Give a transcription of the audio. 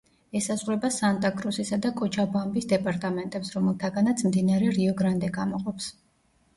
ესაზღვრება სანტა-კრუსისა და კოჩაბამბის დეპარტამენტებს, რომელთაგანაც მდინარე რიო-გრანდე გამოყოფს.